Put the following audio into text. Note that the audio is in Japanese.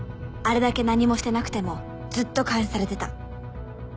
あれだけ何もしてなくてもずっと監視されてた。